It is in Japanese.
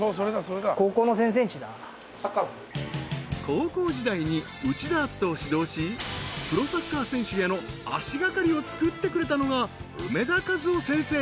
［高校時代に内田篤人を指導しプロサッカー選手への足掛かりをつくってくれたのが梅田和男先生］